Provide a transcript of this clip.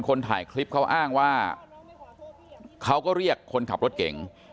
คนถ่ายคลิปเขาอ้างว่าเขาก็เรียกคนขับรถเก่ง